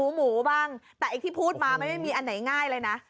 หมูบ้างแต่ไอ้ที่พูดมามันไม่มีอันไหนง่ายเลยนะ